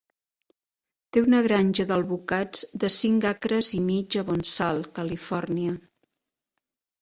Té una granja d'alvocats de cinc acres i mig a Bonsall, Califòrnia.